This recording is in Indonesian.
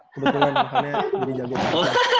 kebetulan makanya jadi jaget